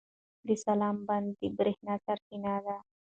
د سلما بند د برېښنا سرچینه ده.